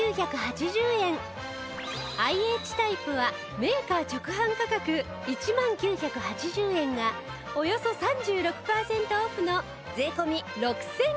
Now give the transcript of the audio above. ＩＨ タイプはメーカー直販価格１万９８０円がおよそ３６パーセントオフの税込６９８０円に